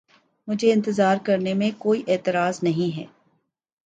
مجھے اِنتظار کرنے میں کوئی اعتراض نہیں ہے۔